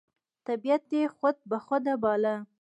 طبیعت یې خود بخوده باله،